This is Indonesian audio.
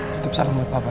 tutup salam buat papa ya